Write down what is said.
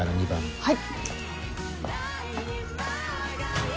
はい。